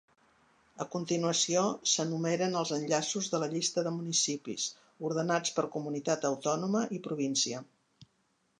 A continuació, s'enumeren els enllaços de la llista de municipis, ordenats per comunitat autònoma i província.